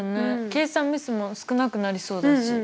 計算ミスも少なくなりそうだし。